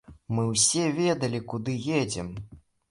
Мы ўсе ведалі, куды едзем.